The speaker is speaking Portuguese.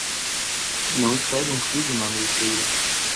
Não espere um figo na ameixeira!